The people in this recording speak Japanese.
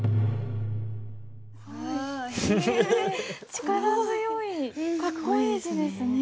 力強いかっこいい字ですね。